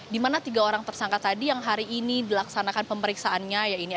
di mana tiga orang tersangka tadi yang hari ini dilaksanakan pemeriksaannya